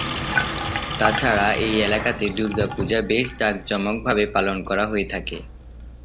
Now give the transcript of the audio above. তাছাড়া এই এলাকাতে দুর্গা পূজা বেশ যাক-জমোকভাবে পালন করা হয়ে থাকে।